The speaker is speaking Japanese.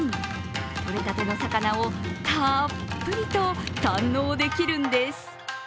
とれたての魚をたっぷりと堪能できるんです。